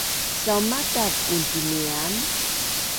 saumataz untinian